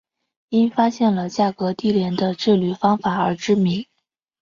因发现了价格低廉的制铝方法而知名。